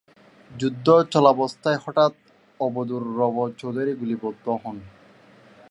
যুদ্ধ চলাবস্থায় হঠাৎ আবদুর রব চৌধুরী গুলিবিদ্ধ হন।